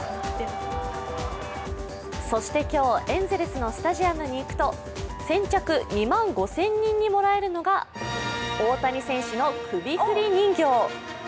そして今日エンゼルスのスタジアムに行くと先着２万５０００人にもらえるのが大谷選手の首振り人形。